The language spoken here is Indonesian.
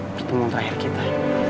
pertemuan terakhir kita